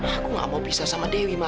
aku nggak mau pisah sama dewi ma